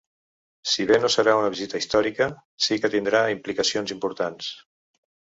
Si bé no serà una visita històrica, sí que tindrà implicacions importants.